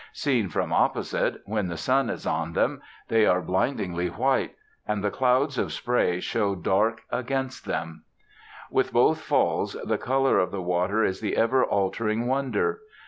Seen from opposite, when the sun is on them, they are blindingly white, and the clouds of spray show dark against them. With both Falls the colour of the water is the ever altering wonder.